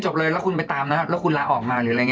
จบเลยแล้วคุณไปตามนะครับแล้วคุณลาออกมาหรืออะไรอย่างนี้